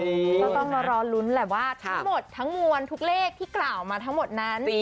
ก็ต้องมารอลุ้นแหละว่าทั้งหมดทั้งมวลทุกเลขที่กล่าวมาทั้งหมดนั้น